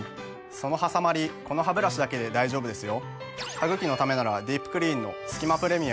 そのはさまりこのハブラシだけで大丈夫ですよ。